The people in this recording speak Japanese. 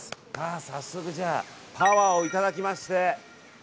早速パワーをいただきまして。